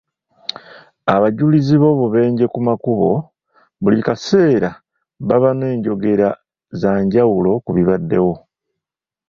Abajulizi b'obubenje ku makubo buli kaseera baba n'enjogera za njawulo ku bibaddewo.